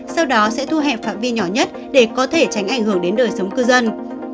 sau đó sẽ thu hẹp phạm vi nhỏ nhất để có thể tránh ảnh hưởng đến đời sống cư dân